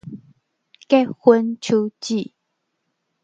結婚手指